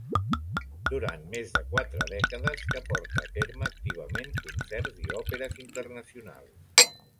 Durant més de quatre dècades que porta a terme activament concerts i òperes internacionals.